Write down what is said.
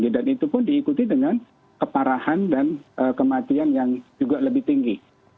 dan itu pun diikuti dengan keparahan dan kematian yang juga lebih tinggi